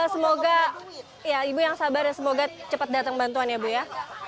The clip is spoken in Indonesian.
semoga ibu yang sabar dan semoga cepat datang bantuan ya bu ya